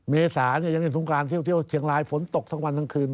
เมษายังเล่นสงการเที่ยวเชียงรายฝนตกทั้งวันทั้งคืน